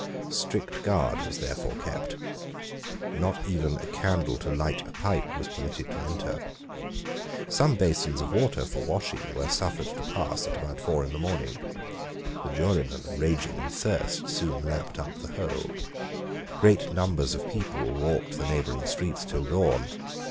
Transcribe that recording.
Strict guard was therefore kept. Not even a candle to light a pipe was permitted to enter. Some basins of water for washing were suffered to pass at about four in the morning. The jurymen, raging with thirst, soon lapped up the whole. Great numbers of people walked the neighbouring streets till dawn.